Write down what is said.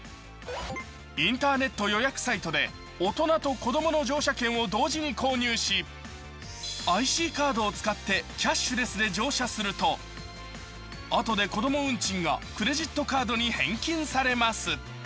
インターネット予約サイトで大人と子供の乗車券を同時に購入しＩＣカードを使ってキャッシュレスで乗車するとあとで子供運賃がクレジットカードに返金されます。